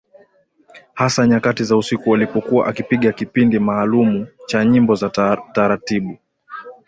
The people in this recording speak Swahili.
Hasa nyakati za usiku alipokuwa akipiga kipindi maalumu cha nyimbo za taratibu